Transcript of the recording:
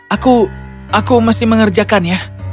aku aku masih mengerjakan ya